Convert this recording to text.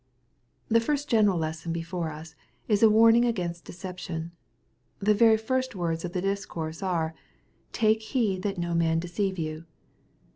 The first general lesson before us, is a warning against deception. The very first words of the discourse are, J " Take heed that no man deceive you.